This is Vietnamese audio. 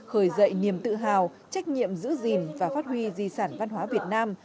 khởi dậy niềm tự hào trách nhiệm giữ gìn và phát huy di sản văn hóa việt nam